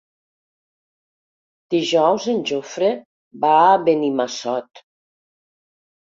Dijous en Jofre va a Benimassot.